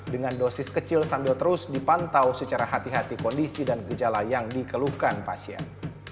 dengan dosis kecil sambil terus dipantau secara hati hati kondisi dan gejala yang dikeluhkan pasien